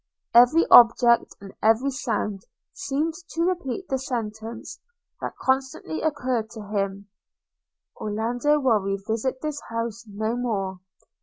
Every object and every sound seemed to repeat the sentence, that constantly occurred to him – 'Orlando will revisit this house no more.'